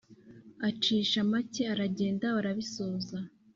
acisha make aragenda barabisoza,